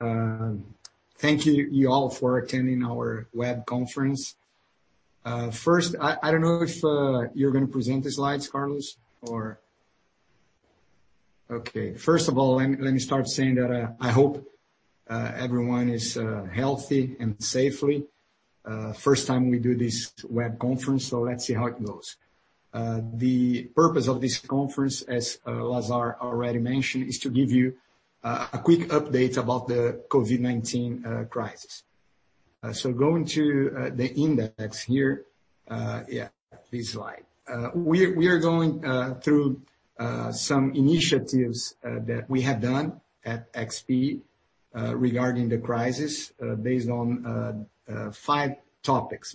Thank you all for attending our web conference. I don't know if you're going to present the slides, Carlos. Okay. Let me start saying that I hope everyone is healthy and safe. First time we do this web conference, let's see how it goes. The purpose of this conference, as Lazar already mentioned, is to give you a quick update about the COVID-19 crisis. Going to the index here. This slide. We are going through some initiatives that we have done at XP regarding the crisis based on five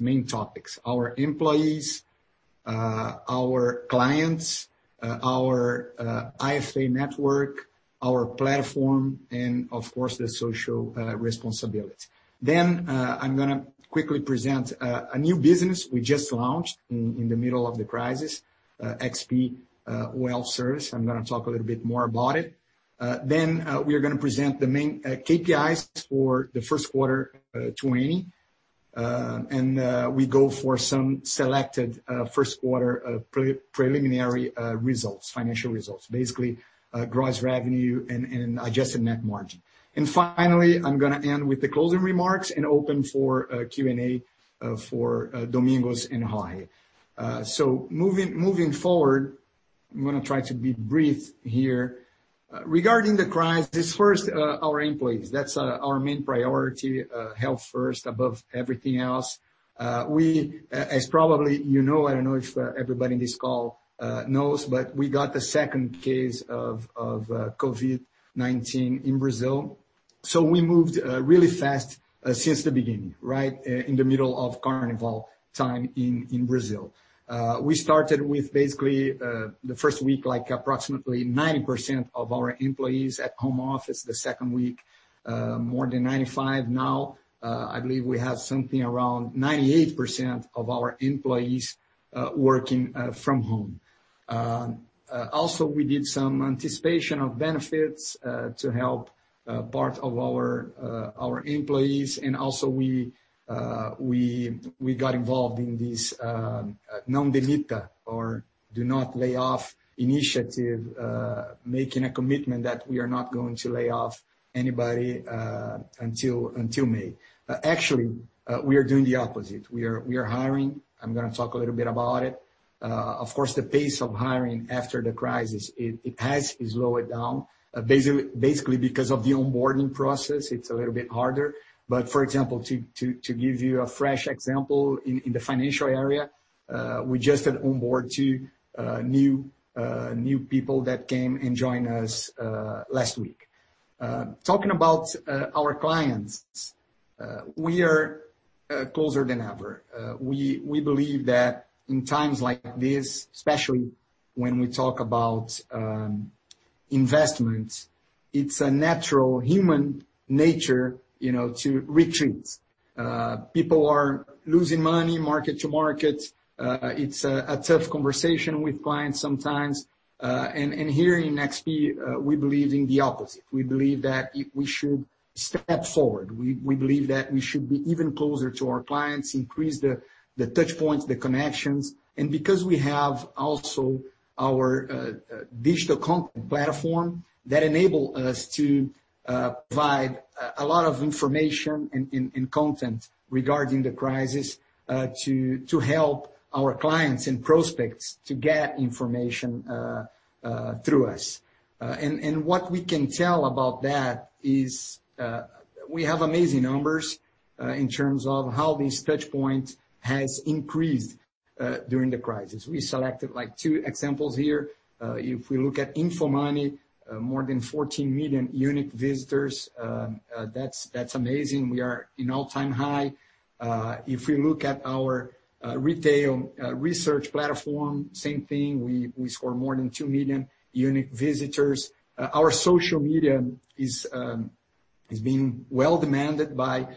main topics: our employees, our clients, our IFA network, our platform, and of course, the social responsibility. I'm going to quickly present a new business we just launched in the middle of the crisis, XP Oil Service. I'm going to talk a little bit more about it. We are going to present the main KPIs for the Q1 2020. We go for some selected Q1 preliminary results, financial results. Basically, gross revenue and adjusted net margin. Finally, I'm going to end with the closing remarks and open for Q&A for Domingos and Rahi. Moving forward, I'm going to try to be brief here. Regarding the crisis. First, our employees. That's our main priority. Health first, above everything else. We, as probably you know, I don't know if everybody in this call knows, but we got the second case of COVID-19 in Brazil. We moved really fast since the beginning. Right in the middle of Carnival time in Brazil. We started with basically the first week, approximately 90% of our employees at home office. The second week, more than 95% now. I believe we have something around 98% of our employees working from home. We did some anticipation of benefits to help part of our employees. We got involved in this Não Demita or do not lay off initiative, making a commitment that we are not going to lay off anybody until May. Actually, we are doing the opposite. We are hiring. I'm going to talk a little bit about it. Of course, the pace of hiring after the crisis, it has slowed down. Basically, because of the onboarding process, it's a little bit harder. For example, to give you a fresh example, in the financial area, we just had onboarded two new people that came and joined us last week. Talking about our clients. We are closer than ever. We believe that in times like this, especially when we talk about investments, it's a natural human nature to retreat. People are losing money market to market. It's a tough conversation with clients sometimes. Here in XP, we believe in the opposite. We believe that we should step forward. We believe that we should be even closer to our clients, increase the touch points, the connections. Because we have also our digital platform that enables us to provide a lot of information and content regarding the crisis to help our clients and prospects to get information through us. What we can tell about that is we have amazing numbers in terms of how these touch points have increased during the crisis. We selected two examples here. If we look at InfoMoney, more than 14 million unique visitors. That's amazing. We are at an all-time high. If we look at our retail research platform, same thing. We saw more than 2 million unique visitors. Our social media is being well demanded by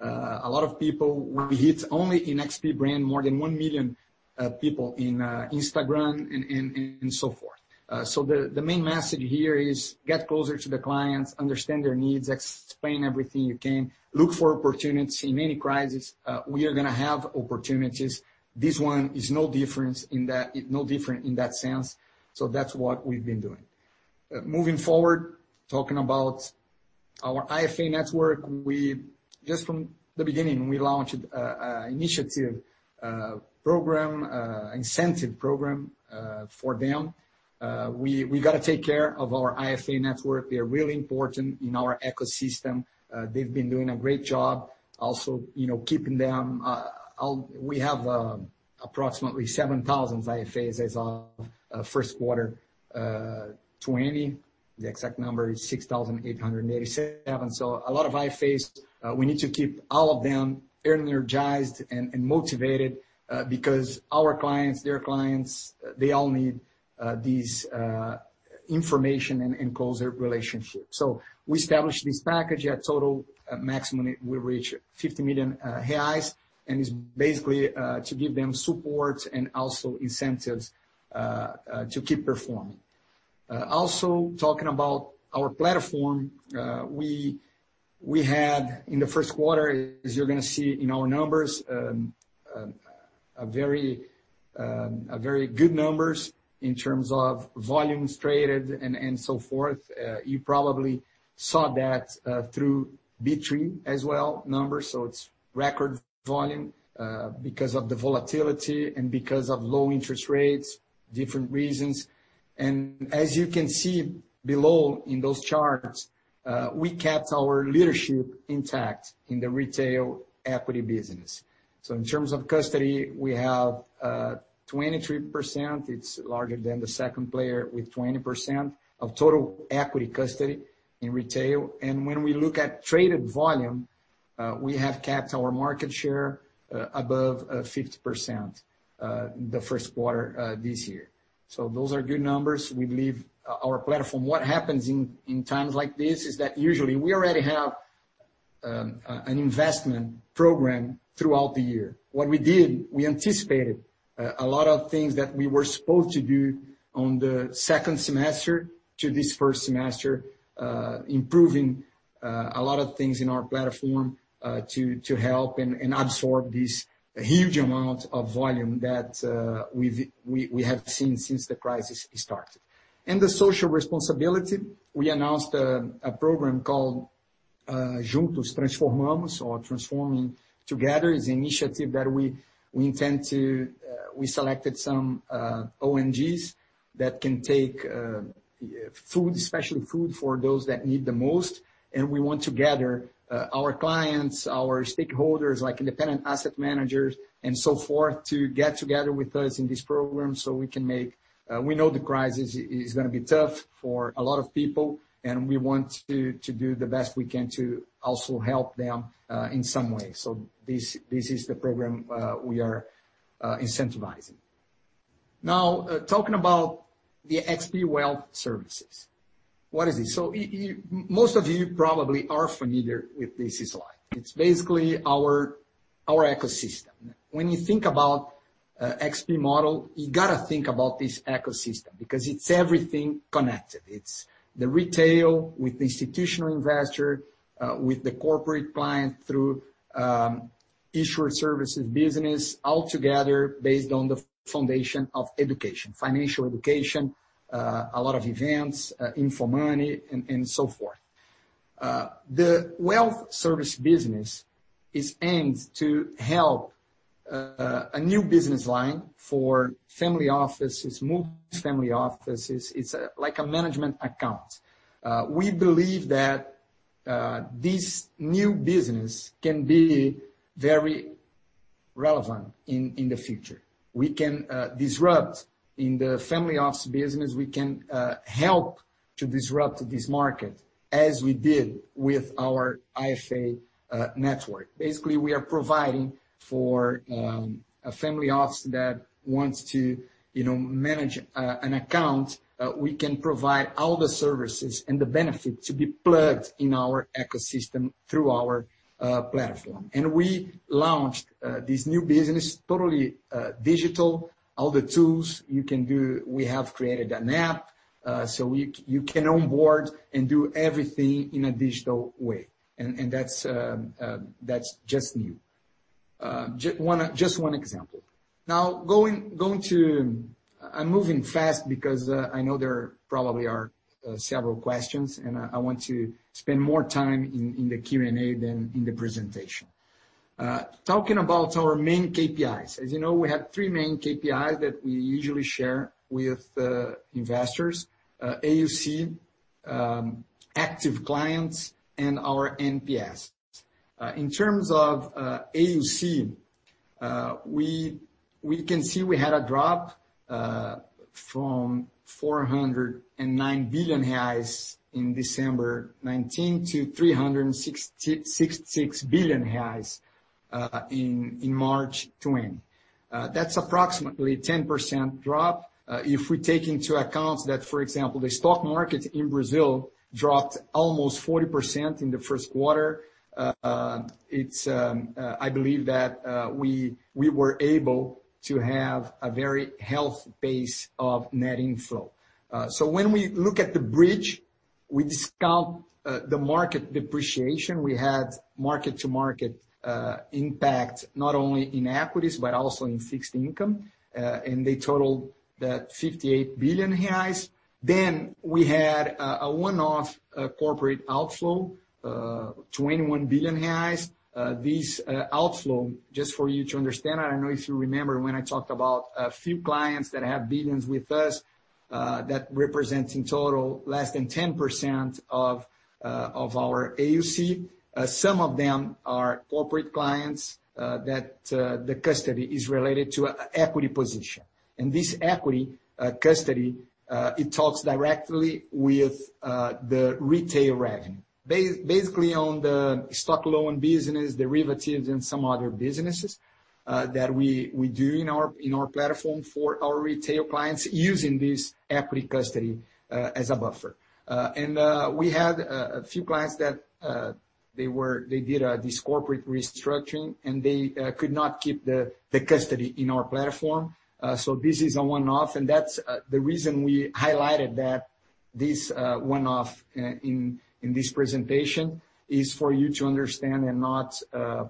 a lot of people. We hit only in XP more than 1 million people on Instagram and so forth. The main message here is get closer to the clients, understand their needs, explain everything you can, look for opportunities in any crisis. We are going to have opportunities. This one is no different in that sense. That's what we've been doing. Moving forward, talking about our IFA network. Just from the beginning, we launched an initiative program, incentive program for them. We got to take care of our IFA network. They are really important in our ecosystem. They've been doing a great job also keeping them. We have approximately 7,000 IFAs as of Q1 2020. The exact number is 6,887. A lot of IFAs. We need to keep all of them energized and motivated because our clients, their clients, they all need this information and closer relationships. We established this package at total maximum, we reach 50 million reais, and it's basically to give them support and also incentives to keep performing. Also talking about our platform. We had in the Q1, as you're going to see in our numbers, very good numbers in terms of volumes traded and so forth. You probably saw that through B3 as well, numbers. It's record volume because of the volatility and because of low interest rates, different reasons. As you can see below in those charts, we kept our leadership intact in the retail equity business. In terms of custody, we have 23%. It's larger than the second player with 20% of total equity custody in retail. When we look at traded volume, we have kept our market share above 50% the Q1 this year. Those are good numbers. We believe our platform. What happens in times like this is that usually we already have an investment program throughout the year. What we did, we anticipated a lot of things that we were supposed to do on the second semester to this first semester, improving a lot of things in our platform, to help and absorb this huge amount of volume that we have seen since the crisis started. In the social responsibility, we announced a program called Juntos Transformamos or Transforming Together. It is an initiative that we selected some ONGs that can take food, especially food for those that need the most. We want to gather our clients, our stakeholders, like independent asset managers and so forth, to get together with us in this program. We know the crisis is going to be tough for a lot of people, and we want to do the best we can to also help them, in some way. This is the program we are incentivizing. Talking about the XP Wealth Services. What is it? Most of you probably are familiar with this slide. It's basically our ecosystem. When you think about XP model, you got to think about this ecosystem because it's everything connected. It's the retail with the institutional investor, with the corporate client through insured services business all together based on the foundation of education, financial education, a lot of events, InfoMoney and so forth. The XP Wealth Services business is aimed to help a new business line for family offices, multi-family offices. It's like a management account. We believe that this new business can be very relevant in the future. We can disrupt in the family office business. We can help to disrupt this market as we did with our IFA network. We are providing for a family office that wants to manage an account. We can provide all the services and the benefit to be plugged in our ecosystem through our platform. We launched this new business, totally digital, all the tools you can do. We have created an app, you can onboard and do everything in a digital way. That's just new. Just one example. Now, I'm moving fast because I know there probably are several questions, and I want to spend more time in the Q&A than in the presentation. Talking about our main KPIs. As you know, we have three main KPIs that we usually share with investors. AUC, active clients, and our NPS. In terms of AUC, we can see we had a drop from 409 billion reais in December 2019-BRL 366 billion in March 2020. That's approximately 10% drop. If we take into account that, for example, the stock market in Brazil dropped almost 40% in the Q1, I believe that we were able to have a very healthy base of net inflow. When we look at the bridge, we discount the market depreciation. We had market-to-market impact, not only in equities but also in fixed income. They totaled that 58 billion reais. We had a one-off corporate outflow, 21 billion reais. This outflow, just for you to understand, I don't know if you remember when I talked about a few clients that have billions with us, that represent in total less than 10% of our AUC. Some of them are corporate clients, that the custody is related to equity position. This equity custody, it talks directly with the retail revenue. Basically, on the stock loan business, derivatives, and some other businesses that we do in our platform for our retail clients using this equity custody as a buffer. We had a few clients that they did this corporate restructuring, and they could not keep the custody in our platform. This is a one-off, and that's the reason we highlighted this one-off in this presentation is for you to understand and not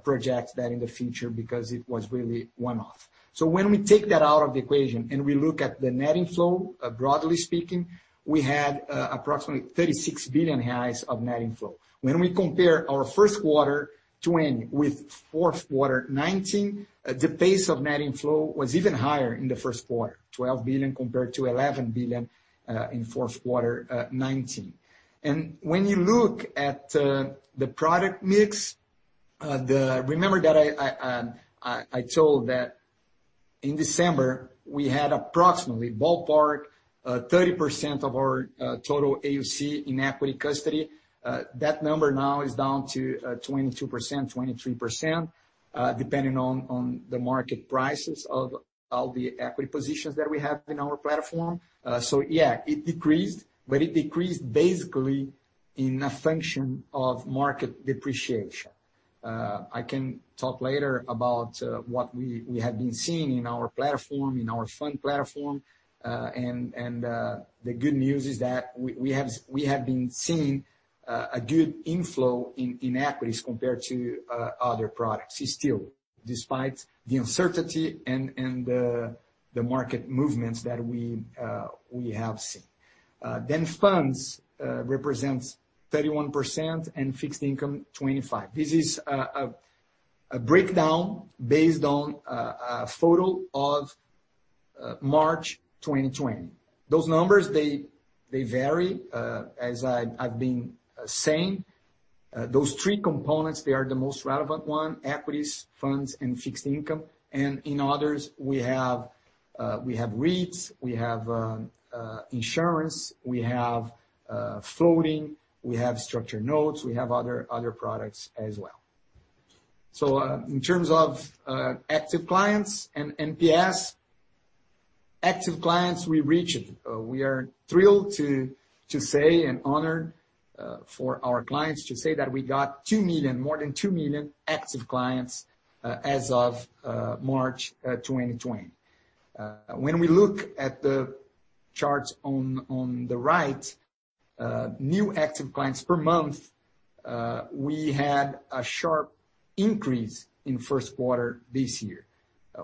project that in the future because it was really one-off. When we take that out of the equation and we look at the net inflow, broadly speaking, we had approximately 36 billion reais of net inflow. When we compare our Q1 2020 with Q4 2019, the pace of net inflow was even higher in the Q1, 12 billion compared to 11 billion in Q4 2019. When you look at the product mix, remember that I told that in December, we had approximately, ballpark, 30% of our total AUC in equity custody. That number now is down to 22%, 23%, depending on the market prices of all the equity positions that we have in our platform. Yeah, it decreased, but it decreased basically in a function of market depreciation. I can talk later about what we have been seeing in our platform, in our fund platform. The good news is that we have been seeing a good inflow in equities compared to other products still, despite the uncertainty and the market movements that we have seen. Funds represents 31% and fixed income 25%. This is a breakdown based on a photo of March 2020. Those numbers, they vary. As I've been saying, those three components, they are the most relevant one, equities, funds, and fixed income. In others, we have REITs, we have insurance, we have floating, we have structured notes. We have other products as well. In terms of active clients and NPS. Active clients, we reached. We are thrilled to say and honored for our clients to say that we got 2 million, more than 2 million active clients as of March 2020. When we look at the charts on the right, new active clients per month, we had a sharp increase in Q1 this year.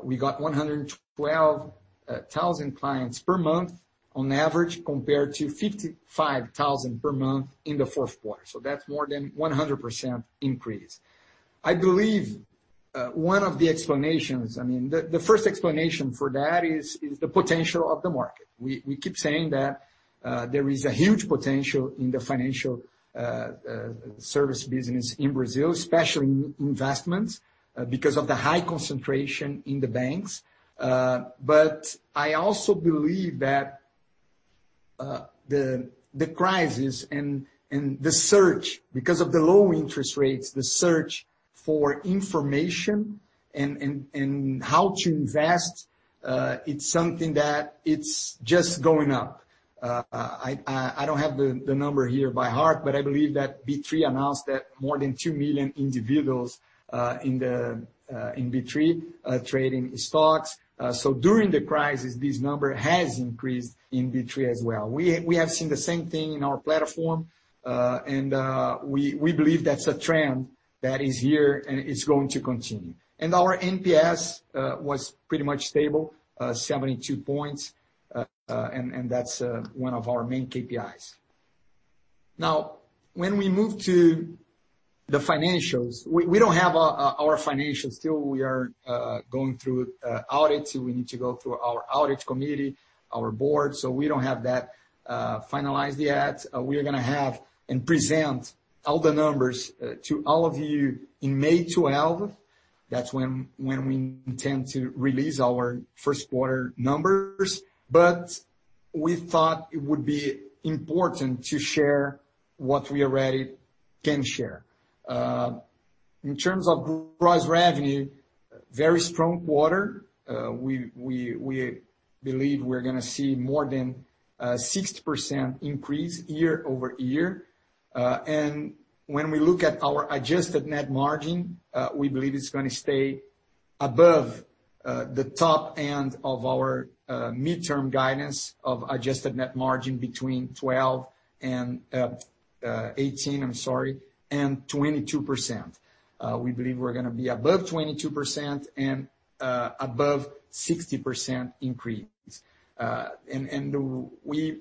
We got 112,000 clients per month on average compared to 55,000 per month in the Q4. That's more than 100% increase. I believe one of the explanations, the first explanation for that is the potential of the market. We keep saying that there is a huge potential in the financial service business in Brazil, especially in investments, because of the high concentration in the banks. I also believe that the crisis and the search, because of the low interest rates, the search for information and how to invest, it's something that it's just going up. I don't have the number here by heart, but I believe that B3 announced that more than 2 million individuals in B3 trading stocks. During the crisis, this number has increased in B3 as well. We have seen the same thing in our platform. We believe that's a trend that is here and it's going to continue. Our NPS was pretty much stable, 72 points, and that's one of our main KPIs. Now, when we move to the financials, we don't have our financials still. We are going through audits. We need to go through our audit committee, our board. We don't have that finalized yet. We are going to have and present all the numbers to all of you in May 12. That's when we intend to release our Q1 numbers. We thought it would be important to share what we already can share. In terms of gross revenue, very strong quarter. We believe we're going to see more than a 60% increase year-over-year. When we look at our adjusted net margin, we believe it's going to stay above the top end of our midterm guidance of adjusted net margin between 12% and 22%. We believe we're going to be above 22% and above 60% increase. We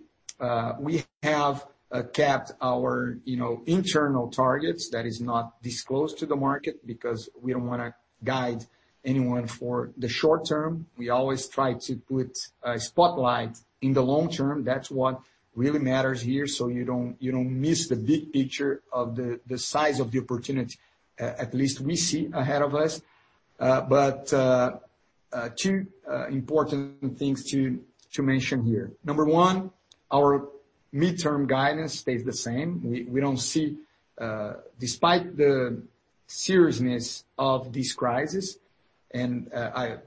have kept our internal targets that is not disclosed to the market because we don't want to guide anyone for the short-term. We always try to put a spotlight in the long-term. That's what really matters here so you don't miss the big picture of the size of the opportunity, at least we see ahead of us. Two important things to mention here. Number one, our midterm guidance stays the same. Despite the seriousness of this crisis and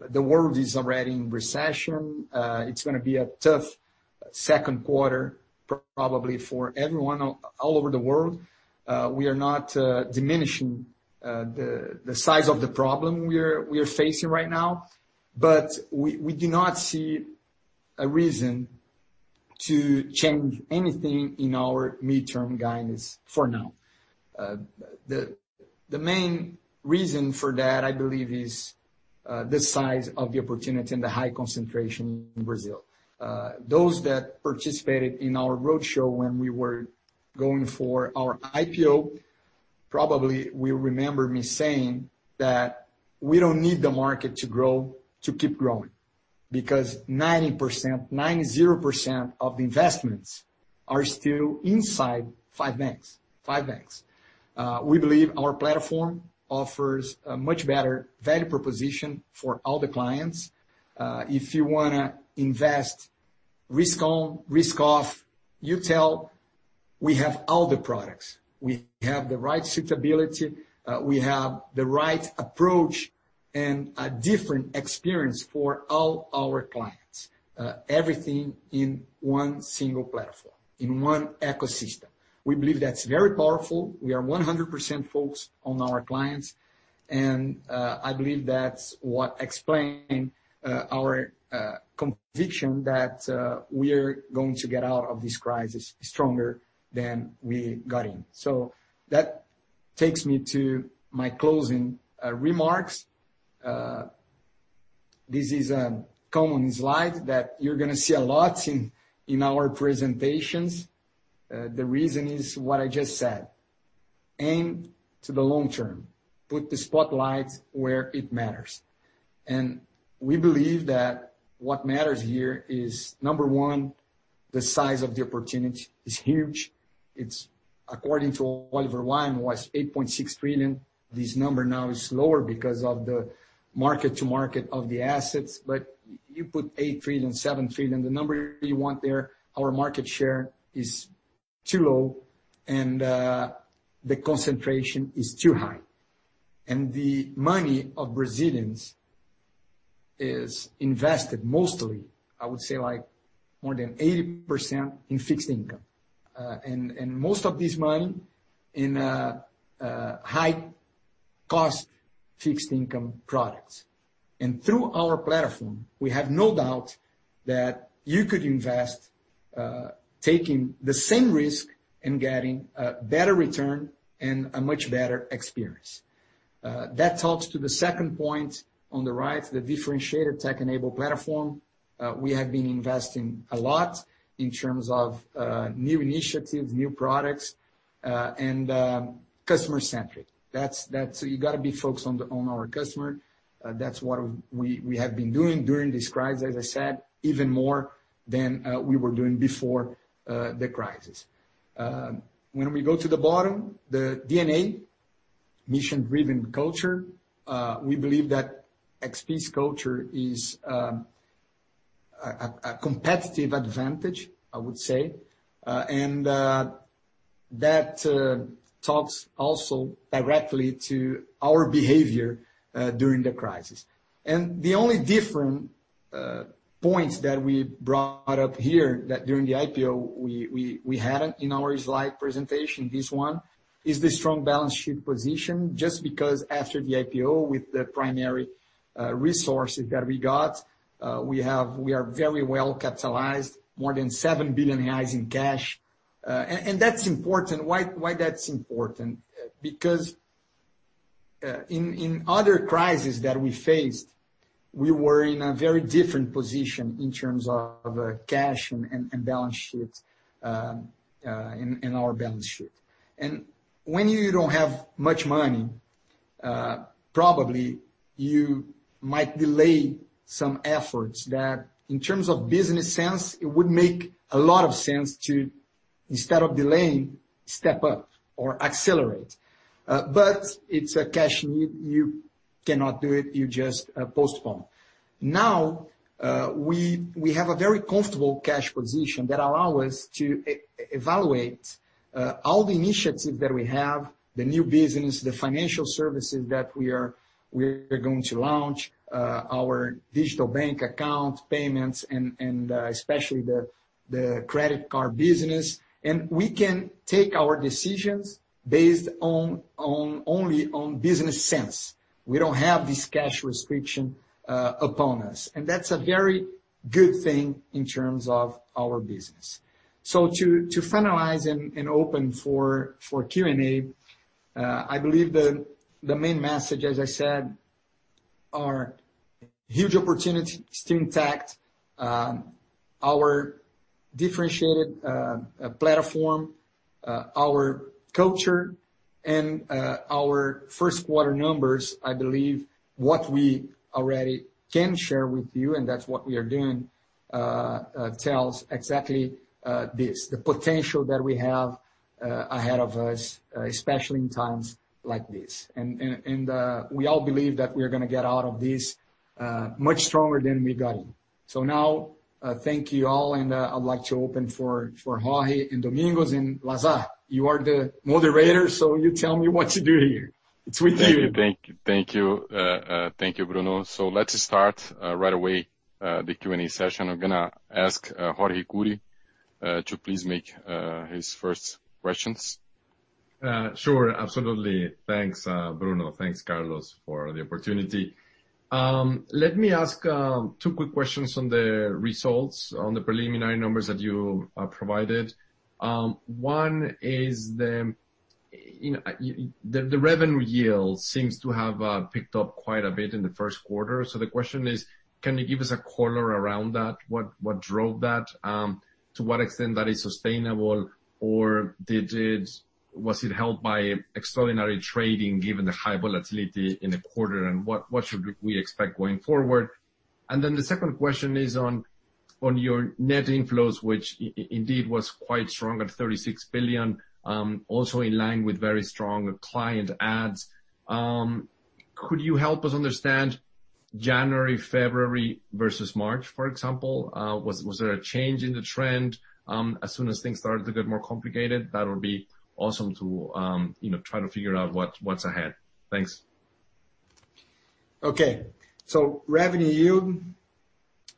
the world is already in recession, it's going to be a tough Q2 probably for everyone all over the world. We are not diminishing the size of the problem we are facing right now. We do not see a reason to change anything in our midterm guidance for now. The main reason for that, I believe, is the size of the opportunity and the high concentration in Brazil. Those that participated in our roadshow when we were going for our IPO probably will remember me saying that we don't need the market to keep growing because 90%, 90%, of the investments are still inside five banks. We believe our platform offers a much better value proposition for all the clients. If you want to invest risk on, risk off, you tell we have all the products. We have the right suitability, we have the right approach, and a different experience for all our clients. Everything in one single platform, in one ecosystem. We believe that's very powerful. We are 100% focused on our clients, and I believe that's what explain our conviction that we are going to get out of this crisis stronger than we got in. That takes me to my closing remarks. This is a common slide that you're going to see a lot in our presentations. The reason is what I just said. Aim to the long term. Put the spotlight where it matters. We believe that what matters here is, number one, the size of the opportunity is huge. It's according to Oliver Wyman was 8.6 trillion. This number now is lower because of the market-to-market of the assets, but you put 8 trillion, 7 trillion, the number you want there. Our market share is too low and the concentration is too high. The money of Brazilians is invested mostly, I would say like more than 80%, in fixed income. Most of this money in high cost fixed income products. Through our platform, we have no doubt that you could invest, taking the same risk and getting a better return and a much better experience. That talks to the second point on the right, the differentiated tech-enabled platform. We have been investing a lot in terms of new initiatives, new products, and customer-centric. You got to be focused on our customer. That's what we have been doing during this crisis, as I said, even more than we were doing before the crisis. When we go to the bottom, the DNA, mission-driven culture. We believe that XP's culture is a competitive advantage, I would say. That talks also directly to our behavior during the crisis. The only different points that we brought up here that during the IPO we had it in our slide presentation, this one, is the strong balance sheet position, just because after the IPO, with the primary resources that we got, we are very well capitalized. More than 7 billion reais in cash. Why that's important? Because in other crises that we faced, we were in a very different position in terms of cash and balance sheets, in our balance sheet. When you don't have much money, probably you might delay some efforts that in terms of business sense, it would make a lot of sense to instead of delaying, step up or accelerate. It's a cash need. You cannot do it. You just postpone. We have a very comfortable cash position that allow us to evaluate all the initiatives that we have, the new business, the financial services that we are going to launch, our digital bank account, payments, and especially the credit card business. We can take our decisions based only on business sense. We don't have this cash restriction upon us, and that's a very good thing in terms of our business. To finalize and open for Q&A, I believe the main message, as I said, are huge opportunity still intact. Our differentiated platform, our culture, and our first quarter numbers, I believe what we already can share with you, and that's what we are doing, tells exactly this. The potential that we have ahead of us, especially in times like this. We all believe that we're going to get out of this much stronger than we got in. Now, thank you all and I'd like to open for Carlos and Domingos and Lazar. You are the moderator, so you tell me what to do here. It's with you. Thank you. Thank you, Bruno. Let's start right away the Q&A session. I'm going to ask Jorge Kuri to please make his first questions. Sure. Absolutely. Thanks, Bruno. Thanks, Carlos, for the opportunity. Let me ask two quick questions on the results, on the preliminary numbers that you provided. One is the revenue yield seems to have picked up quite a bit in the Q1. The question is, can you give us a color around that? What drove that? To what extent that is sustainable, or was it helped by extraordinary trading given the high volatility in the quarter? What should we expect going forward? The second question is on your net inflows, which indeed was quite strong at 36 billion, also in line with very strong client adds. Could you help us understand January, February versus March, for example? Was there a change in the trend, as soon as things started to get more complicated? That would be awesome to try to figure out what's ahead. Thanks. Revenue yield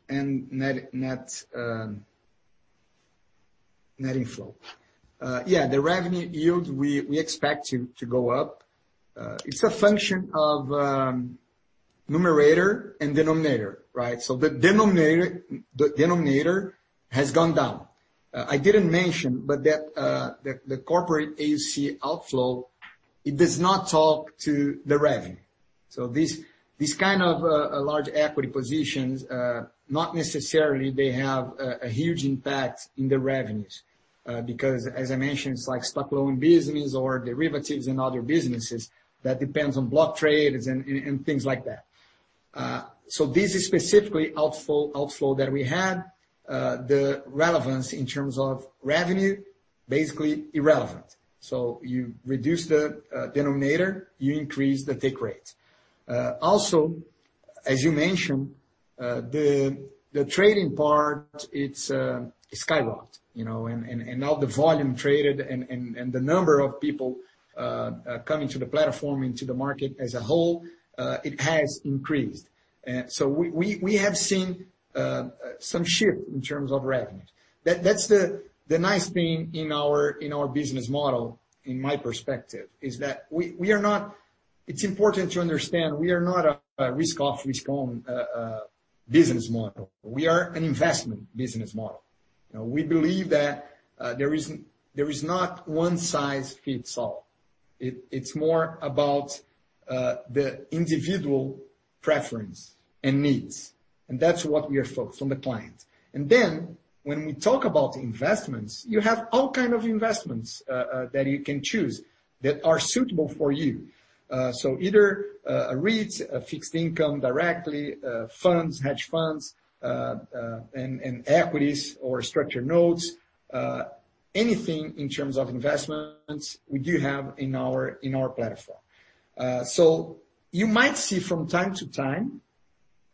and net inflow. The revenue yield, we expect to go up. It's a function of numerator and denominator, right? The denominator has gone down. I didn't mention, but the corporate AUC outflow, it does not talk to the revenue. These kind of large equity positions, not necessarily they have a huge impact in the revenues. As I mentioned, it's like stock loan business or derivatives and other businesses that depends on block trades and things like that. This is specifically outflow that we had, the relevance in terms of revenue, basically irrelevant. You reduce the denominator, you increase the take rate. Also, as you mentioned, the trading part, it skyrocketed. Now the volume traded and the number of people coming to the platform, into the market as a whole, it has increased. We have seen some shift in terms of revenues. That's the nice thing in our business model, in my perspective, is that it's important to understand we are not a risk off, risk on business model. We are an investment business model. We believe that there is not one size fits all. It's more about the individual preference and needs. That's what we are focused on, the client. When we talk about investments, you have all kind of investments that you can choose that are suitable for you. Either a REIT, a fixed income directly, funds, hedge funds, and equities or structured notes. Anything in terms of investments, we do have in our platform. You might see from time to time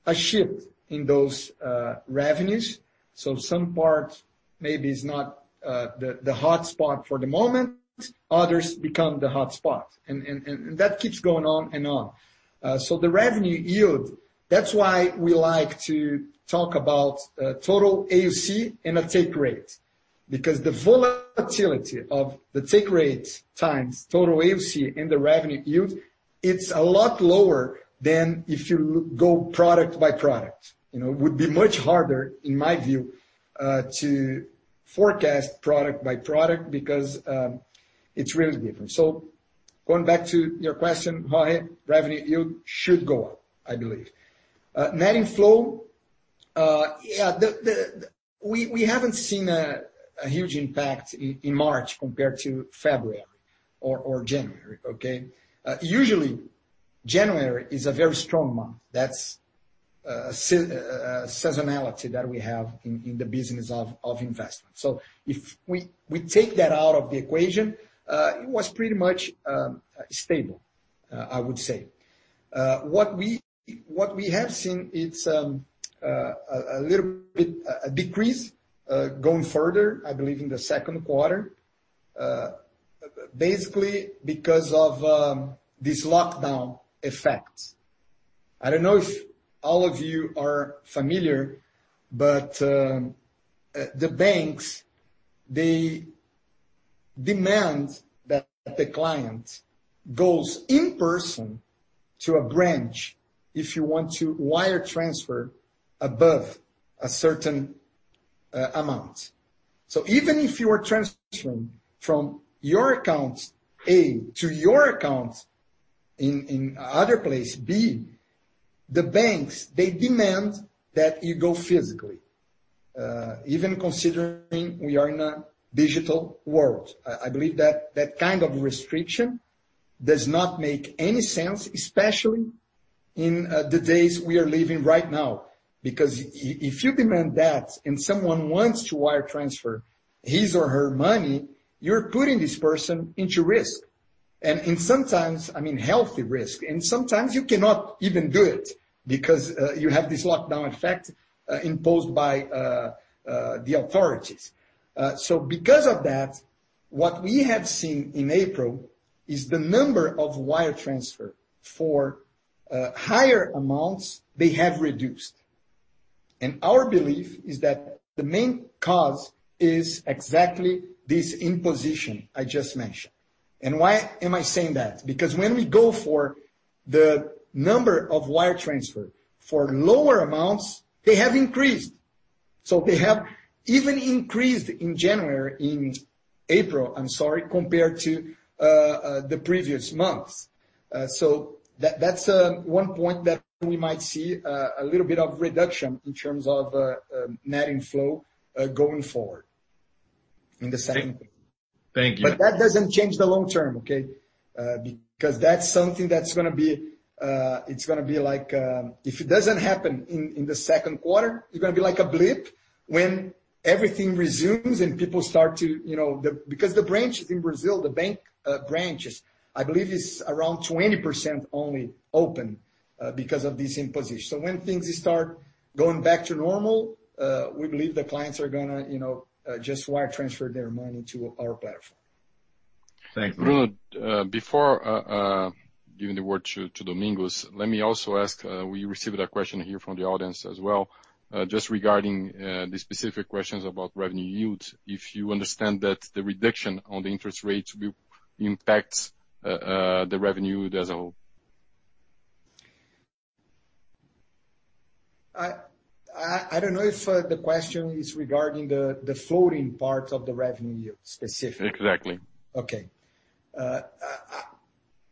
a shift in those revenues. Some part maybe is not the hotspot for the moment. Others become the hotspot. That keeps going on and on. The revenue yield, that's why we like to talk about total AUC and a take rate. Because the volatility of the take rate times total AUC and the revenue yield, it's a lot lower than if you go product by product. It would be much harder, in my view, to forecast product by product because it's really different. Going back to your question, Jorge, revenue yield should go up, I believe. Net inflow. Yeah. We haven't seen a huge impact in March compared to February or January. Okay. Usually, January is a very strong month. That's a seasonality that we have in the business of investment. If we take that out of the equation, it was pretty much stable, I would say. What we have seen, it's a little bit a decrease, going further, I believe in the Q2, basically because of this lockdown effect. I don't know if all of you are familiar, but the banks, they demand that the client goes in person to a branch if you want to wire transfer above a certain amount. Even if you are transferring from your account A to your account in other place B, the banks, they demand that you go physically, even considering we are in a digital world. I believe that kind of restriction does not make any sense, especially in the days we are living right now. If you demand that and someone wants to wire transfer his or her money, you're putting this person into risk. Sometimes, I mean, healthy risk. Sometimes you cannot even do it because you have this lockdown effect imposed by the authorities. Because of that, what we have seen in April is the number of wire transfer for higher amounts, they have reduced. Our belief is that the main cause is exactly this imposition I just mentioned. Why am I saying that? Because when we go for the number of wire transfer for lower amounts, they have increased. They have even increased in April compared to the previous months. That's one point that we might see a little bit of reduction in terms of net inflow going forward in the Q2. Thank you. That doesn't change the long term, okay? That's something that if it doesn't happen in the Q2, it's going to be like a blip when everything resumes. Because the branches in Brazil, the bank branches, I believe is around 20% only open, because of this imposition. When things start going back to normal, we believe the clients are going to just wire transfer their money to our platform. Thank you. Bruno, before giving the word to Domingos, let me also ask, we received a question here from the audience as well, just regarding the specific questions about revenue yield. If you understand that the reduction on the interest rates will impact the revenue as a whole. I don't know if the question is regarding the floating part of the revenue yield specifically. Exactly. Okay.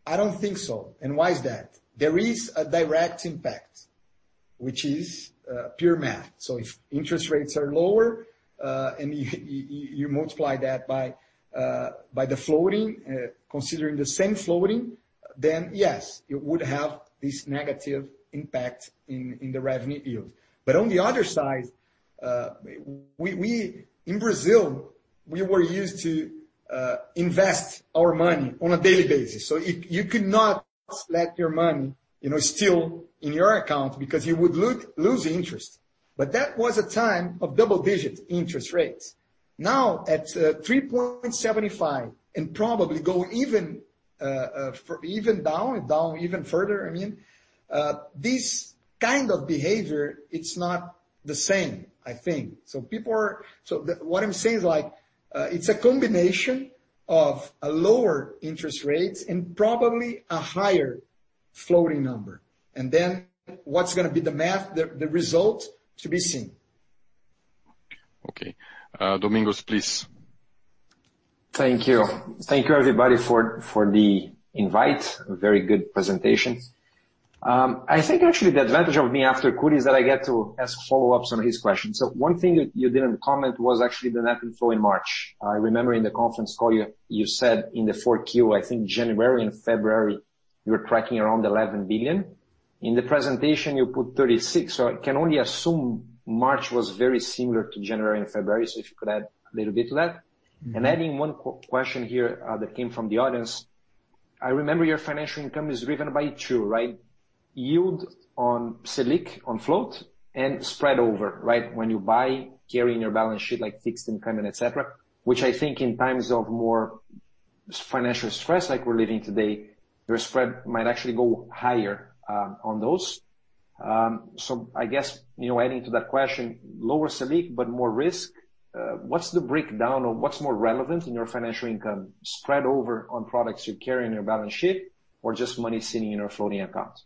I don't think so. Why is that? There is a direct impact, which is pure math. If interest rates are lower, and you multiply that by the floating, considering the same floating, yes, it would have this negative impact in the revenue yield. On the other side, in Brazil, we were used to invest our money on a daily basis. You could not let your money still in your account because you would lose interest. That was a time of double-digit interest rates. Now at 3.75%, and probably go down even further, I mean, this kind of behavior, it's not the same, I think. What I'm saying is it's a combination of a lower interest rates and probably a higher floating number. What's going to be the math, the result, to be seen. Okay. Domingos, please. Thank you. Thank you everybody for the invite. A very good presentation. I think actually the advantage of me after Kuri is that I get to ask follow-ups on his questions. One thing that you didn't comment was actually the net inflow in March. I remember in the conference call, you said in the 4Q, I think January and February, you were tracking around 11 billion. In the presentation, you put 36 billion, so I can only assume March was very similar to January and February. If you could add a little bit to that. Adding one question here that came from the audience. I remember your financial income is driven by two, right? Yield on Selic, on float, and spread over, right? When you buy, carrying your balance sheet like fixed income and et cetera, which I think in times of more financial stress like we're living today, your spread might actually go higher on those. I guess, adding to that question, lower Selic, but more risk. What's the breakdown or what's more relevant in your financial income? Spread over on products you carry on your balance sheet or just money sitting in a floating account?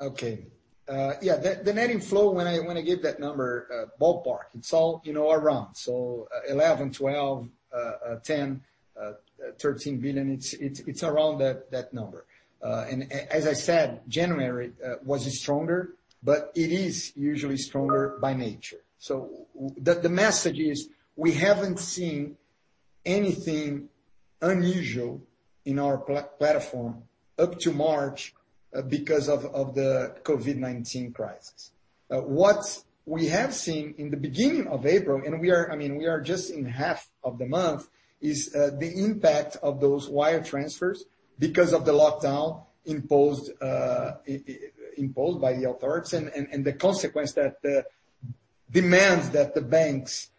Okay. Yeah. The net inflow, when I give that number, ballpark. It's all around. 11 billion, 12 billion, 10 billion, 13 billion, it's around that number. As I said, January was stronger, but it is usually stronger by nature. The message is we haven't seen anything unusual in our platform up to March because of the COVID-19 crisis. What we have seen in the beginning of April, and we are just in half of the month, is the impact of those wire transfers because of the lockdown imposed by the authorities and the consequence that demands that the banks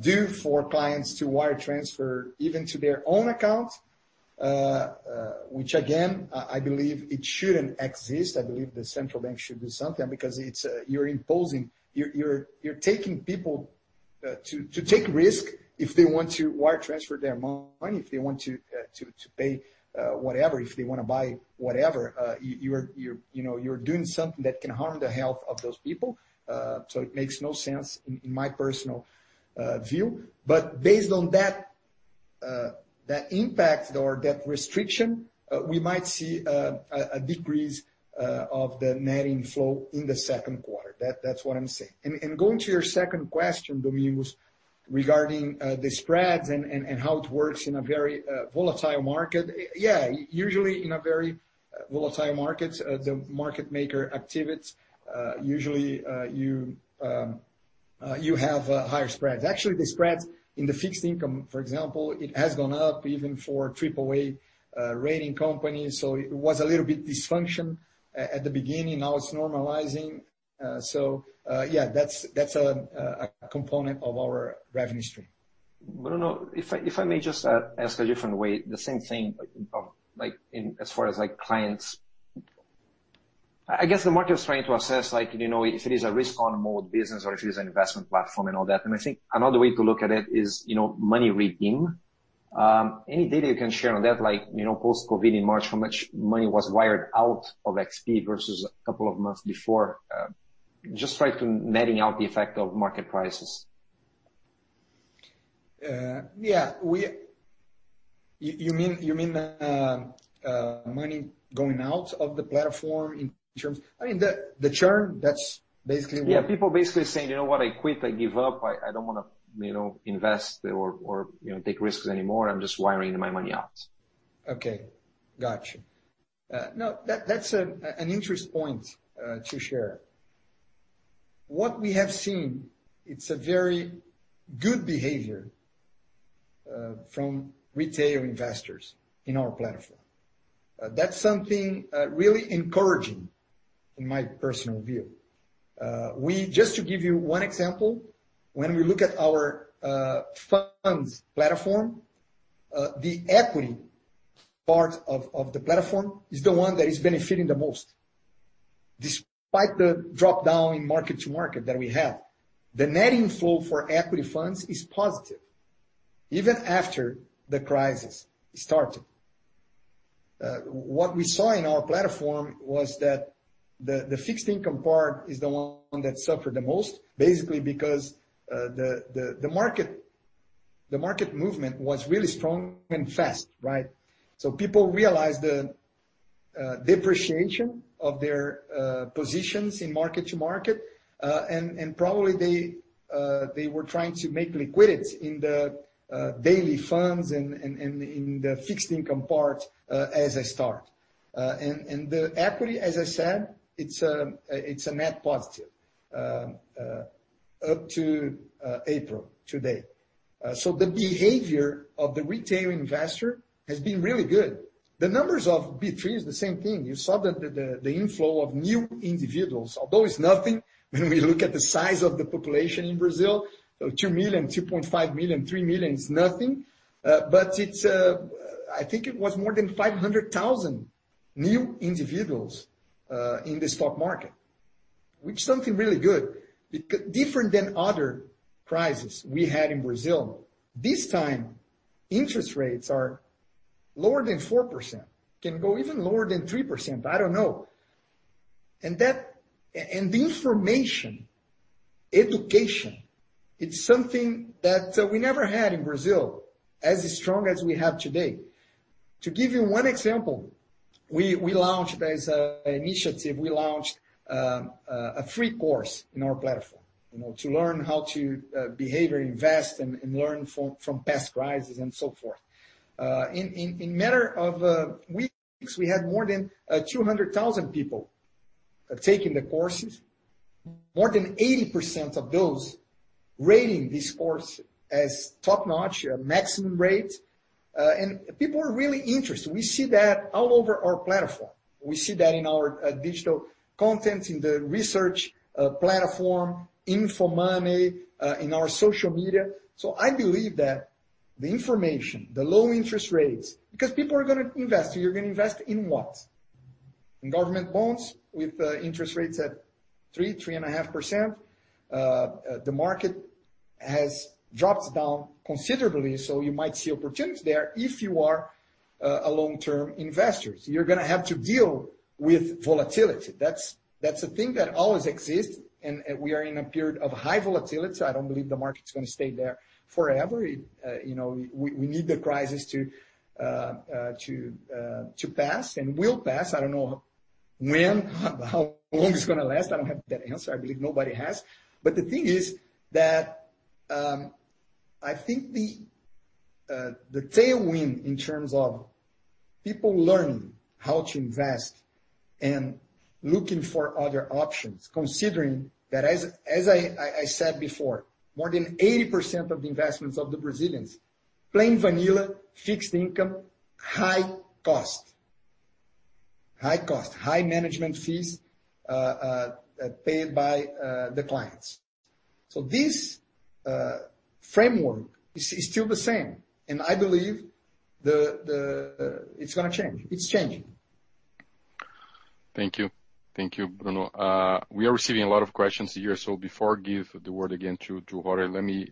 do for clients to wire transfer even to their own accounts. Which again, I believe it shouldn't exist. I believe the central bank should do something because you're taking people to take risk if they want to wire transfer their money, if they want to pay whatever, if they want to buy whatever. You're doing something that can harm the health of those people. It makes no sense in my personal view. Based on that impact or that restriction, we might see a decrease of the net inflow in the Q2. That's what I'm saying. Going to your second question, Domingos, regarding the spreads and how it works in a very volatile market. Yeah, usually in a very volatile market, the market maker activities, usually you have higher spreads. Actually, the spreads in the fixed income, for example, it has gone up even for AAA rating companies. It was a little bit dysfunction at the beginning. Now it's normalizing. Yeah, that's a component of our revenue stream. Bruno, if I may just ask a different way, the same thing, as far as clients. I guess the market is trying to assess if it is a risk-on mode business or if it is an investment platform and all that. I think another way to look at it is, money redeem. Any data you can share on that, post-COVID-19 in March, how much money was wired out of XP versus a couple of months before? Just trying to netting out the effect of market prices. Yeah. You mean, money going out of the platform I mean, the churn, that's basically what? Yeah, people basically saying: "You know what. I quit. I give up. I don't want to invest or take risks anymore. I'm just wiring my money out. Okay. Got you. No, that's an interesting point to share. What we have seen is a very good behavior from retail investors in our platform. That's something really encouraging in my personal view. Just to give you one example, when we look at our funds platform, the equity part of the platform is the one that is benefiting the most. Despite the drop-down in market-to-market that we have, the net inflow for equity funds is positive, even after the crisis started. What we saw in our platform was that the fixed income part is the one that suffered the most, basically because the market movement was really strong and fast, right? People realized the depreciation of their positions in market-to-market. Probably they were trying to make liquid in the daily funds and in the fixed income part as a start. The equity, as I said, it's a net positive, up to April today. The behavior of the retail investor has been really good. The numbers of B3 is the same thing. You saw that the inflow of new individuals, although it's nothing, when we look at the size of the population in Brazil, 2 million, 2.5 million, 3 million is nothing. I think it was more than 500,000 new individuals in the stock market, which is something really good. Different than other crises we had in Brazil. This time, interest rates are lower than 4%, can go even lower than 3%, I don't know. The information, education, it's something that we never had in Brazil as strong as we have today. To give you one example, we launched as an initiative, we launched a free course in our platform, to learn how to behave, invest, and learn from past crises and so forth. In matter of weeks, we had more than 200,000 people taking the courses. More than 80% of those rating this course as top-notch, maximum rate. People are really interested. We see that all over our platform. We see that in our digital content, in the research platform, InfoMoney, in our social media. I believe that the information, the low interest rates, because people are going to invest. You're going to invest in what? In government bonds with interest rates at 3%, 3.5%? The market has dropped down considerably, so you might see opportunities there if you are a long-term investor. You're going to have to deal with volatility. That's a thing that always exists, we are in a period of high volatility. I don't believe the market's going to stay there forever. We need the crisis to pass, and will pass. I don't know when, how long it's going to last. I don't have that answer. I believe nobody has. The thing is that, I think the tailwind in terms of people learning how to invest and looking for other options, considering that, as I said before, more than 80% of the investments of the Brazilians, plain vanilla, fixed income, high cost. High cost. High management fees paid by the clients. This framework is still the same, and I believe it's going to change. It's changing. Thank you. Thank you, Bruno. We are receiving a lot of questions here. Before I give the word again to Jorge, let me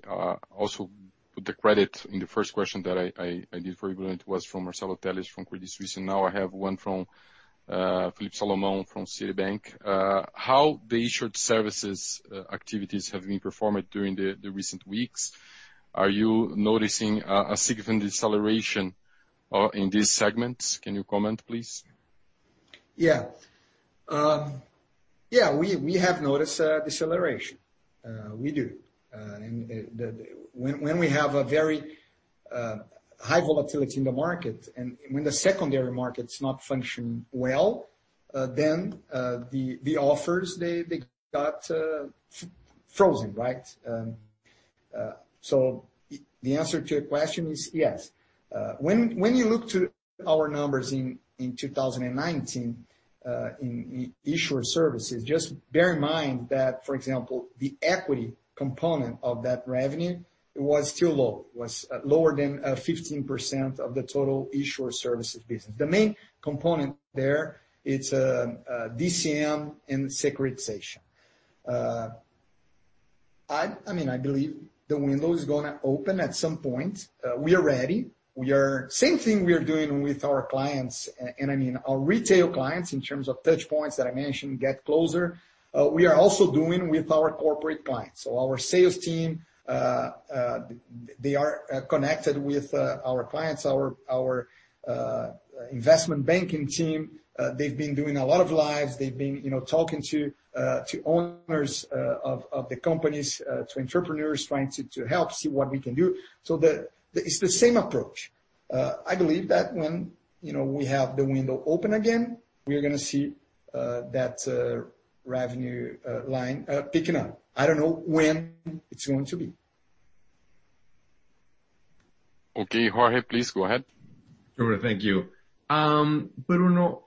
also put the credit in the first question that I did for Bruno. It was from Marcelo Telles from Credit Suisse. Now I have one from Philip Solomon from Citibank. How the issuer services activities have been performed during the recent weeks? Are you noticing a significant deceleration in these segments? Can you comment, please? Yeah. We have noticed a deceleration. We do. When we have a very high volatility in the market, and when the secondary market is not functioning well, then the offers, they got frozen, right? The answer to your question is yes. When you look to our numbers in 2019, in issuer services, just bear in mind that, for example, the equity component of that revenue was still low. It was lower than 15% of the total issuer services business. The main component there, it's DCM and securitization. I believe the window is going to open at some point. We are ready. Same thing we are doing with our clients, and our retail clients in terms of touch points that I mentioned, get closer, we are also doing with our corporate clients. Our sales team, they are connected with our clients. Our investment banking team, they've been doing a lot of Lives. They've been talking to owners of the companies, to entrepreneurs, trying to help see what we can do. It's the same approach. I believe that when we have the window open again, we are going to see that revenue line picking up. I don't know when it's going to be. Okay, Jorge, please go ahead. Sure. Thank you. Bruno,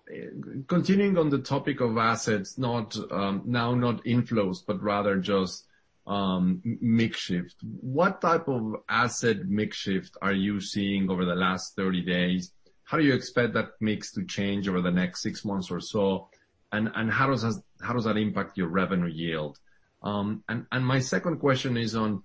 continuing on the topic of assets, now not inflows, but rather just mix shift. What type of asset mix shift are you seeing over the last 30 days? How do you expect that mix to change over the next six months or so? How does that impact your revenue yield? My second question is on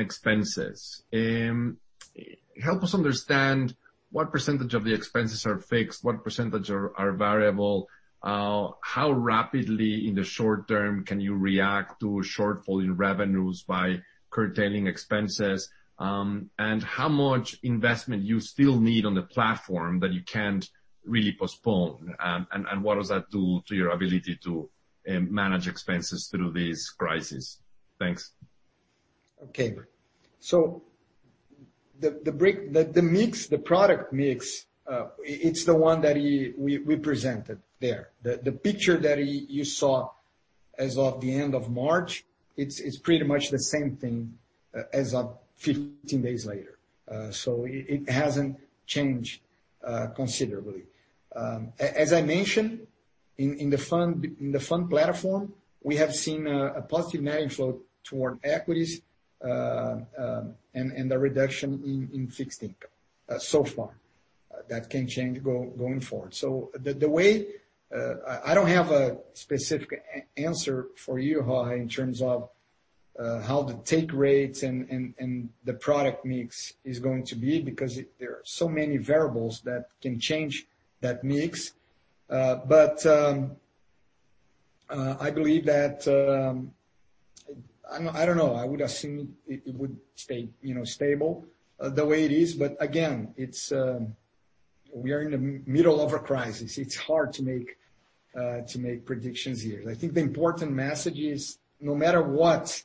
expenses. Help us understand what percentage of the expenses are fixed, what percentage are variable, how rapidly in the short term can you react to a shortfall in revenues by curtailing expenses, and how much investment you still need on the platform that you can't really postpone, and what does that do to your ability to manage expenses through this crisis? Thanks. The product mix, it's the one that we presented there. The picture that you saw as of the end of March, it's pretty much the same thing as of 15 days later. It hasn't changed considerably. As I mentioned, in the fund platform, we have seen a positive net inflow toward equities, and a reduction in fixed income so far. That can change going forward. I don't have a specific answer for you, Jorge, in terms of how the take rates and the product mix is going to be, because there are so many variables that can change that mix. I believe that I don't know. I would assume it would stay stable the way it is. Again, we are in the middle of a crisis. It's hard to make predictions here. I think the important message is, no matter what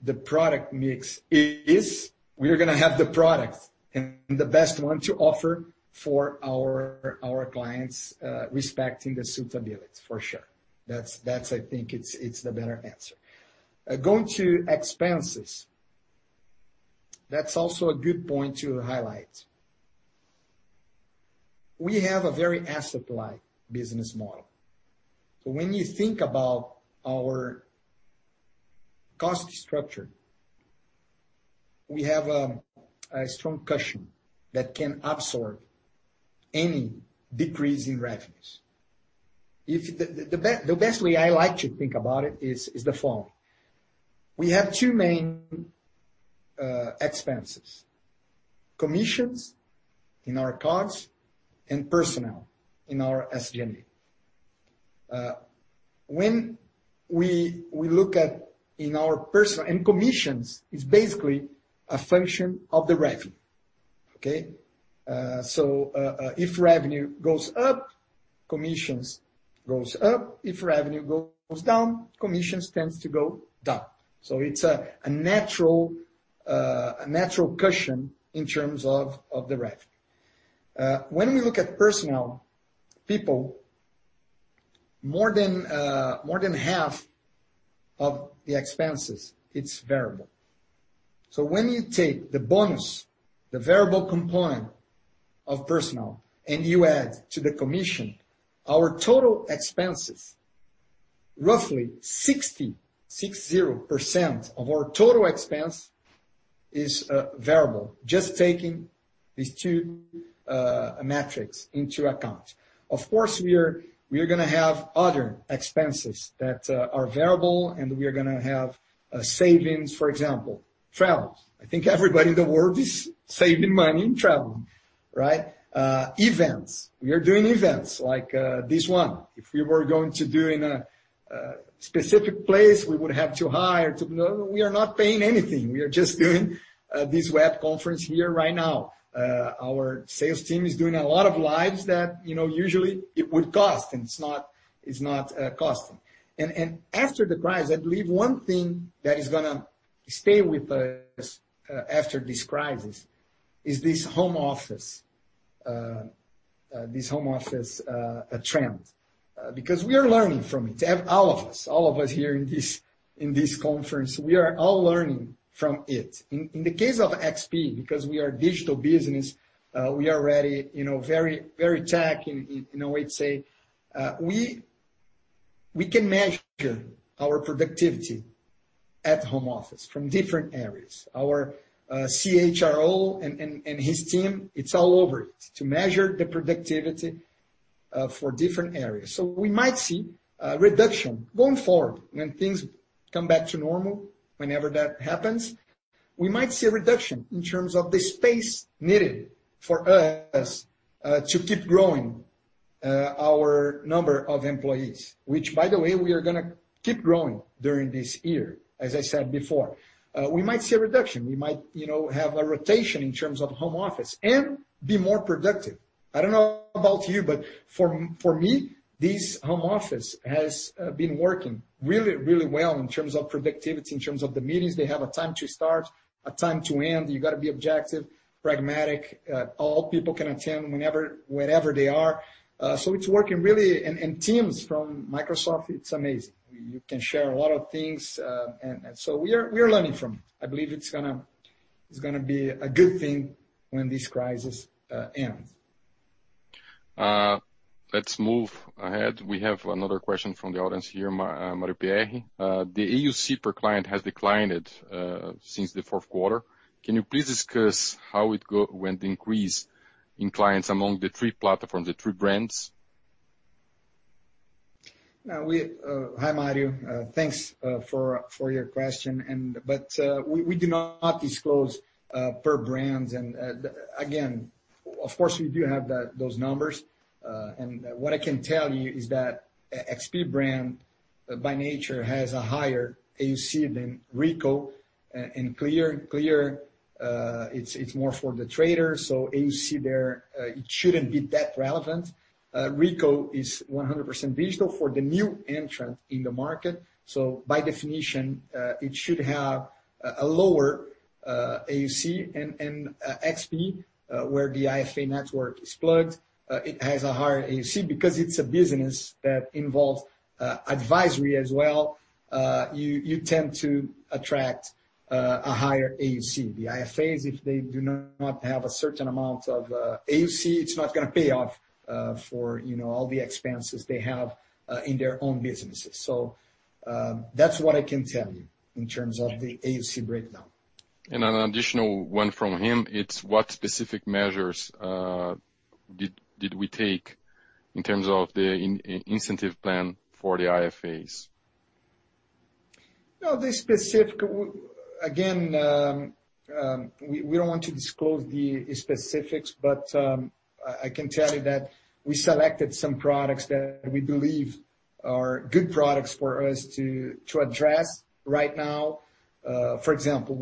the product mix is, we are going to have the product and the best one to offer for our clients, respecting the suitability, for sure. That, I think, it's the better answer. Going to expenses. That's also a good point to highlight. We have a very asset-light business model. When you think about our cost structure, we have a strong cushion that can absorb any decrease in revenues. The best way I like to think about it is the following. We have two main expenses, commissions in our cards and personnel in our SG&A. Commissions is basically a function of the revenue. Okay? If revenue goes up, commissions goes up. If revenue goes down, commissions tends to go down. It's a natural cushion in terms of the revenue. When we look at personnel, people, more than half of the expenses, it is variable. When you take the bonus, the variable component of personnel, and you add to the commission, our total expenses, roughly 60% of our total expense is variable. Just taking these two metrics into account. Of course, we are going to have other expenses that are variable, and we are going to have savings. For example, travel. I think everybody in the world is saving money in travel, right? Events. We are doing events like this one. If we were going to do in a specific place, we would have to hire. We are not paying anything. We are just doing this web conference here right now. Our sales team is doing a lot of Lives that usually it would cost, and it is not costing. After the crisis, I believe one thing that is going to stay with us after this crisis is this home office trend because we are learning from it. All of us here in this conference, we are all learning from it. In the case of XP, because we are a digital business, we are very tech in a way to say. We can measure our productivity at home office from different areas. Our CHRO and his team, it is all over it to measure the productivity for different areas. We might see a reduction going forward when things come back to normal, whenever that happens. We might see a reduction in terms of the space needed for us to keep growing our number of employees. Which, by the way, we are going to keep growing during this year, as I said before. We might see a reduction. We might have a rotation in terms of home office and be more productive. I don't know about you, but for me, this home office has been working really well in terms of productivity, in terms of the meetings. They have a time to start, a time to end. You got to be objective, pragmatic. All people can attend wherever they are. It's working really. Teams from Microsoft, it's amazing. You can share a lot of things. We're learning from it. I believe it's going to be a good thing when this crisis ends. Let's move ahead. We have another question from the audience here, Mario Pierry. The AUC per client has declined since the Q4. Can you please discuss how it went increase in clients among the three platforms, the three brands? Hi, Mario. Thanks for your question. We do not disclose per brands. Again, of course, we do have those numbers. What I can tell you is that XP brand, by nature, has a higher AUC than Rico and Clear. Clear, it's more for the traders. AUC there, it shouldn't be that relevant. Rico is 100% digital for the new entrant in the market. By definition, it should have a lower AUC and XP, where the IFA network is plugged, it has a higher AUC because it's a business that involves advisory as well. You tend to attract a higher AUC. The IFAs, if they do not have a certain amount of AUC, it's not going to pay off for all the expenses they have in their own businesses. That's what I can tell you in terms of the AUC breakdown. An additional one from him, it's what specific measures did we take in terms of the incentive plan for the IFAs? Again, we don't want to disclose the specifics, but I can tell you that we selected some products that we believe are good products for us to address right now. For example,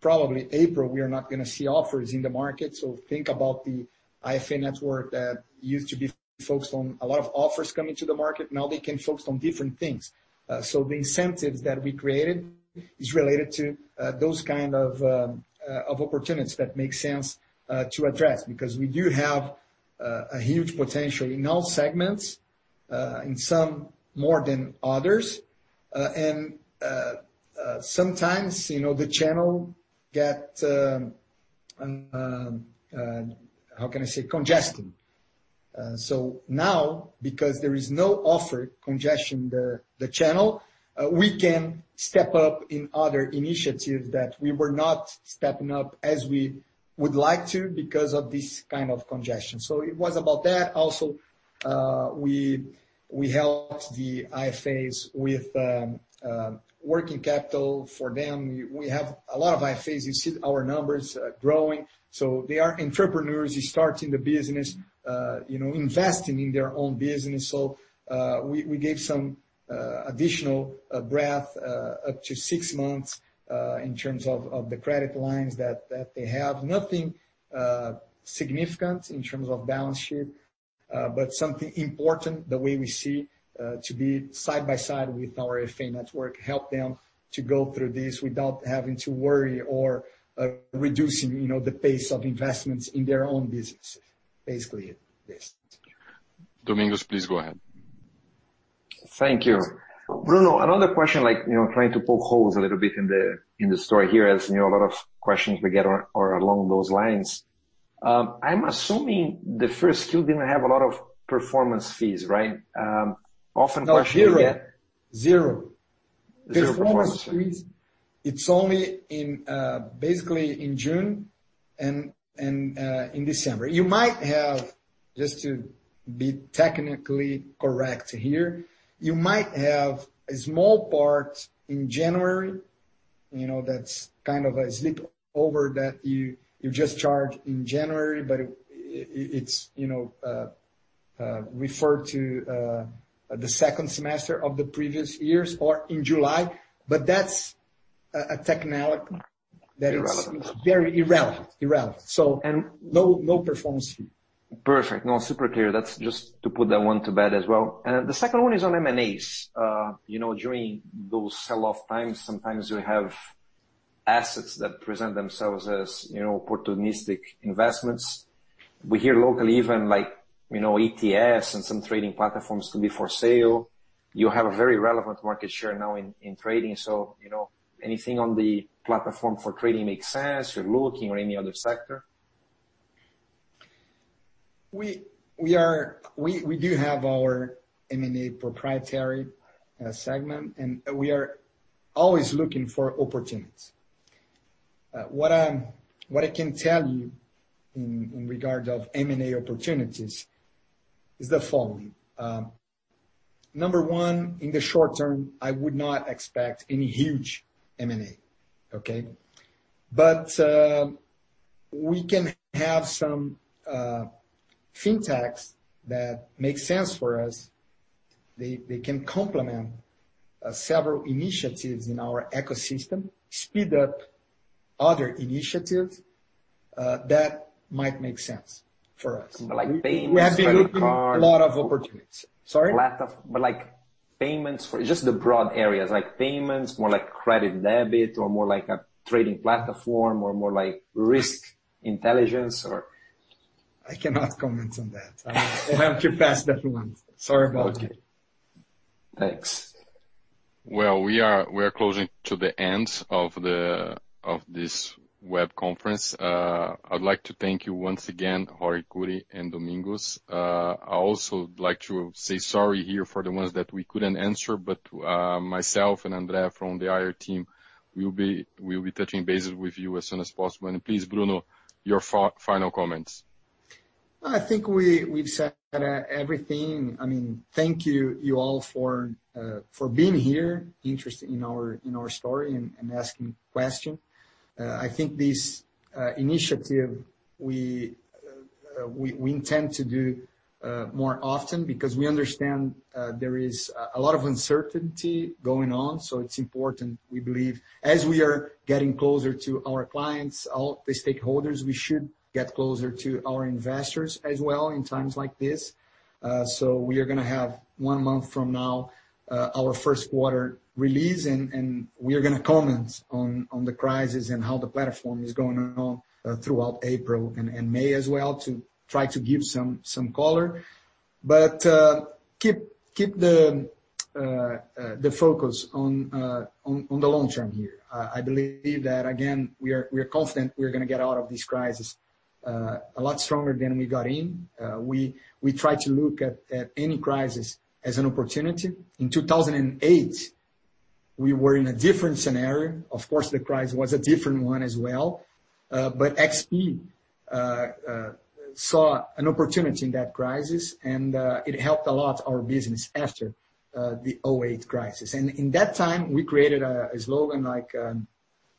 probably April, we are not going to see offers in the market. Think about the IFA network that used to be focused on a lot of offers coming to the market. Now they can focus on different things. The incentives that we created is related to those kind of opportunities that make sense to address because we do have a huge potential in all segments, in some more than others. Sometimes the channel get, how can I say, congested. Now, because there is no offer congestion in the channel, we can step up in other initiatives that we were not stepping up as we would like to because of this kind of congestion. It was about that. Also, we helped the IFAs with working capital for them. We have a lot of IFAs. You see our numbers growing. They are entrepreneurs. They're starting the business, investing in their own business. We gave some additional breather up to six months in terms of the credit lines that they have. Nothing significant in terms of balance sheet, but something important the way we see to be side by side with our IFA network, help them to go through this without having to worry or reducing the pace of investments in their own businesses. Basically it. Yes. Domingos, please go ahead. Thank you. Bruno, another question, trying to poke holes a little bit in the story here, as you know, a lot of questions we get are along those lines. I'm assuming the Q1 didn't have a lot of performance fees, right? No, zero. Zero performance fee. Performance fees, it's only basically in June and in December. Just to be technically correct here, you might have a small part in January that's kind of a slip over that you just charge in January, but it's referred to the second semester of the previous years or in July. That's a technical. Irrelevant very irrelevant. No performance fee. Perfect. No, super clear. That's just to put that one to bed as well. The second one is on M&As. During those sell-off times, sometimes you have assets that present themselves as opportunistic investments. We hear locally even ETS and some trading platforms to be for sale. You have a very relevant market share now in trading, so anything on the platform for trading makes sense, you're looking or any other sector? We do have our M&A proprietary segment, and we are always looking for opportunities. What I can tell you in regard of M&A opportunities is the following. Number one, in the short term, I would not expect any huge M&A. Okay? We can have some fintechs that make sense for us. They can complement several initiatives in our ecosystem, speed up other initiatives that might make sense for us. Like payments. We have been looking at a lot of opportunities. Sorry? Like payments, just the broad areas, like payments, more like credit and debit, or more like a trading platform, or more like risk intelligence? I cannot comment on that. I will have to pass that one. Sorry about that. Okay. Thanks. Well, we are closing to the end of this web conference. I would like to thank you once again, Jorge Kuri, and Domingos. I also like to say sorry here for the ones that we couldn't answer, but myself and André from the IR team, we'll be touching bases with you as soon as possible. Please, Bruno, your final comments. I think we've said everything. Thank you all for being here, interested in our story and asking questions. I think this initiative, we intend to do more often because we understand there is a lot of uncertainty going on. It's important, we believe, as we are getting closer to our clients, all the stakeholders, we should get closer to our investors as well in times like this. We are going to have, one month from now, our Q1 release, and we are going to comment on the crisis and how the platform is going on throughout April and May as well to try to give some color. Keep the focus on the long term here. I believe that, again, we are confident we're going to get out of this crisis a lot stronger than we got in. We try to look at any crisis as an opportunity. In 2008, we were in a different scenario. Of course, the crisis was a different one as well. XP saw an opportunity in that crisis, and it helped a lot our business after the 2008 crisis. In that time, we created a slogan like,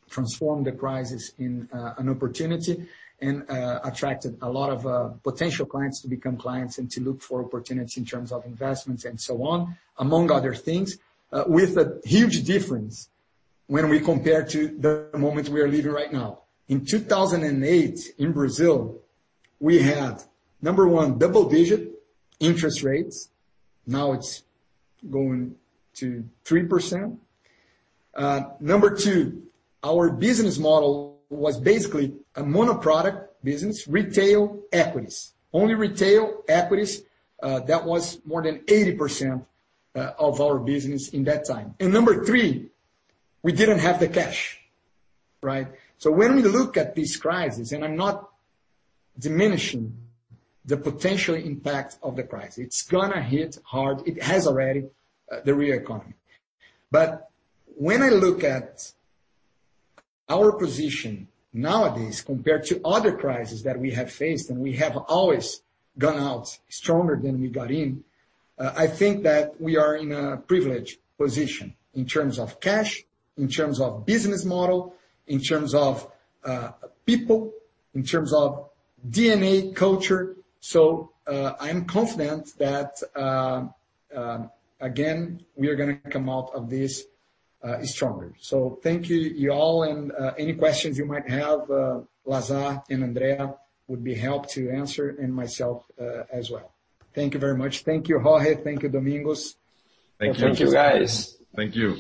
"Transform the crisis in an opportunity," and attracted a lot of potential clients to become clients and to look for opportunities in terms of investments and so on, among other things. With a huge difference when we compare to the moment we are living right now. In 2008, in Brazil, we had, number one, double-digit interest rates. Now it's going to 3%. Number two, our business model was basically a mono-product business, retail equities. Only retail equities. That was more than 80% of our business in that time. Number three, we didn't have the cash, right? When we look at this crisis, and I'm not diminishing the potential impact of the crisis, it's gonna hit hard. It has already the real economy. When I look at our position nowadays compared to other crises that we have faced, and we have always gone out stronger than we got in, I think that we are in a privileged position in terms of cash, in terms of business model, in terms of people, in terms of DNA culture. I am confident that, again, we are going to come out of this stronger. Thank you all. Any questions you might have, Lazar and André would be helped to answer, and myself as well. Thank you very much. Thank you, Jorge. Thank you, Domingos. Thank you. Thank you, guys. Thank you.